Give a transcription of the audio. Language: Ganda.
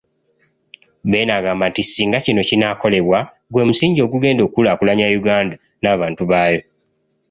Beene agamba nti singa kino kinaakolebwa, gwe musingi ogugenda okukulaakulanya Uganda n'abantu baayo.